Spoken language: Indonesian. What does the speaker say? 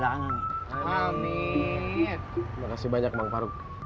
terima kasih banyak bang farouk